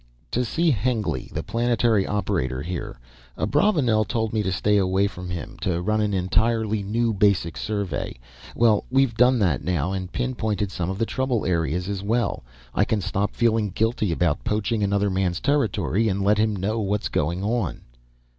"To see Hengly, the planetary operator here. Abravanel told me to stay away from him, to run an entirely new basic survey. Well we've done that now, and pinpointed some of the trouble areas as well. I can stop feeling guilty about poaching another man's territory and let him know what's going on."